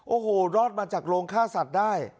โอ้โหรอดมาจากโรงฆ่าสัตว์ได้